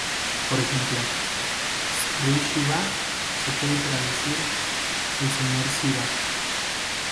Por ejemplo, Sri Shivá se puede traducir ‘el Señor Sivá’.